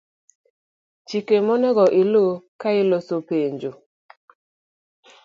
Chike monego ilu kailoso penjo.